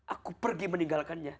aku pergi meninggalkannya